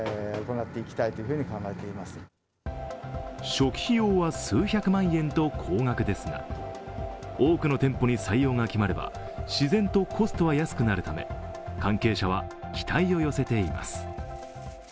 初期費用は数百万円と高額ですが、多くの店舗に採用が決まれば自然とコストは安くなるため、関係者は期待を寄せています。